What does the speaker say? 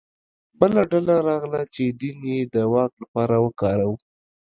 بله ډله راغله چې دین یې د واک لپاره وکاروه